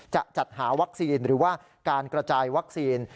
จะจัดหาวัคซีนหรือว่าการกระจายวัคซีน